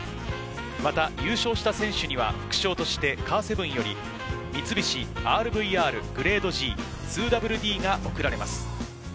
また優勝した選手には副賞としてカーセブンより三菱ＲＶＲグレードＧ２ＷＤが贈られます。